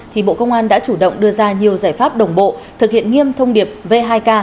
thì bộ công an đã chủ động đưa ra nhiều giải pháp đồng bộ thực hiện nghiêm thông điệp v hai k